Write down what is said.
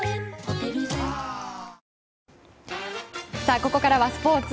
ここからはスポーツ。